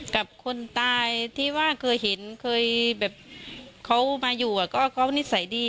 กับคนตายที่ว่าเคยเห็นเคยแบบเขามาอยู่ก็เขานิสัยดี